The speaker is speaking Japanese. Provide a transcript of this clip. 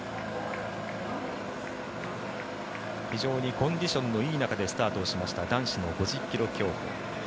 非常にコンディションのいい中でスタートをしました男子の５０ｋｍ競歩。